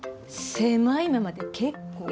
狭いままで結構。